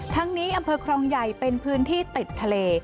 ทั้งนี้อำเภอครองใหญ่เป็นพื้นที่ติดทะเล